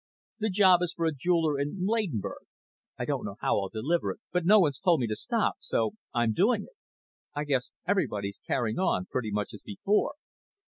The job is for a jeweler in Ladenburg. I don't know how I'll deliver it, but no one's told me to stop so I'm doing it. I guess everybody's carrying on pretty much as before."